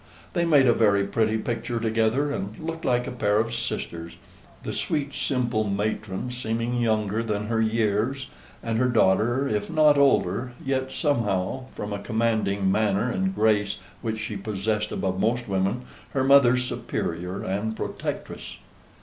They made a very pretty picture together, and looked like a pair of sisters the sweet simple matron seeming younger than her years, and her daughter, if not older, yet somehow, from a commanding manner and grace which she possessed above most women, her mother's superior and protectress.